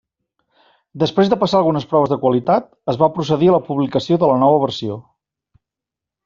Després de passar algunes proves de qualitat, es va procedir a la publicació de la nova versió.